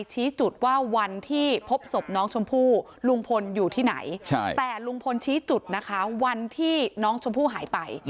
ชี้จุดว่าวันที่พบศพน้องชมพู่ลุงพลอยู่ที่ไหนแต่ลุงพลชี้จุดนะคะวันที่น้องชมพู่หายไป